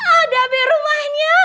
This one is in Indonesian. ada abik rumahnya